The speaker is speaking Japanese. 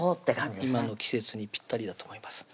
今の季節にぴったりだと思います